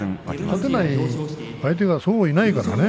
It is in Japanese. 勝てない相手がいないからね